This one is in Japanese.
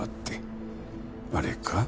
あれか？